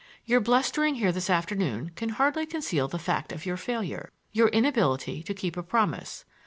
Your blustering here this afternoon can hardly conceal the fact of your failure,—your inability to keep a promise.